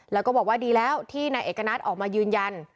แล้วก็บอกว่าดีแล้วที่นายเอกณัฐออกมายืนยัน